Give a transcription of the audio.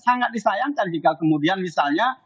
sangat disayangkan jika kemudian misalnya